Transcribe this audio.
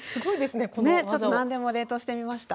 ちょっと何でも冷凍してみました。